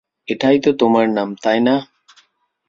এটাই তো তোমার নাম, তাই না?